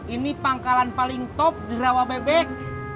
ini pangkalan paling top di rawabebek